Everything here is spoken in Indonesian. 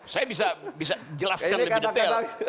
saya bisa jelaskan lebih detail